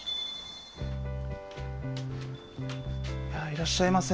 いらっしゃいませ。